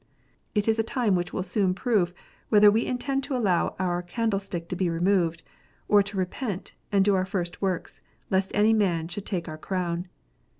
It is a time which will soon prove whether we intend to allow our candle stick to be removed, or to repent, and do our first works, lest any man should take our crown.